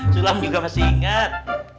sulam juga masih ingat